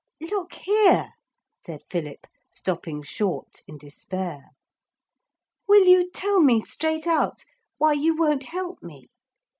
'Look here,' said Philip, stopping short in despair, 'will you tell me straight out why you won't help me?'